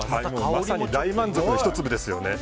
まさに大満足の１粒ですよね。